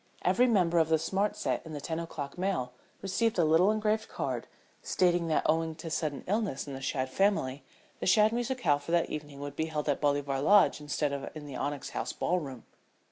Every member of the smart set in the ten o'clock mail received a little engraved card stating that owing to sudden illness in the Shadd family the Shadd musicale for that evening would be held at Bolivar Lodge instead of in the Onyx House ballroom.